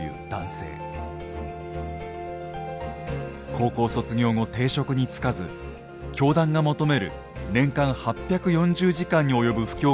高校卒業後定職に就かず教団が求める年間８４０時間に及ぶ布教活動に専念してきました。